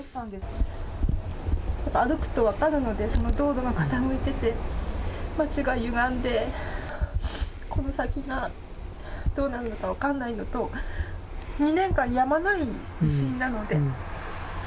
やっぱり歩くと分かるので、その道路が傾いてて、街がゆがんで、この先がどうなるのか分からないのと、２年間、やまない地震なので。